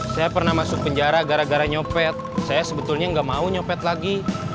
saya pernah masuk penjara gara gara nyopet saya sebetulnya nggak mau nyopet lagi